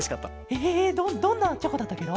ええどどんなチョコだったケロ？